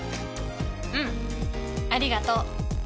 うんありがとう。